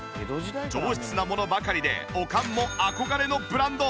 上質なものばかりでおかんも憧れのブランド。